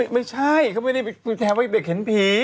ไม่ใช่เขาไม่ได้แชร์ว่าเด็กเห็นผี